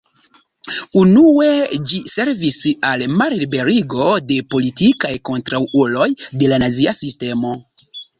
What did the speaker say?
Unue ĝi servis al malliberigo de politikaj kontraŭuloj de la nazia sistemo.